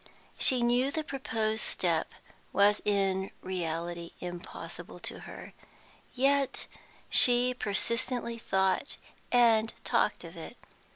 She knew the proposed step was in reality impossible to her, yet she persistently thought and talked of it.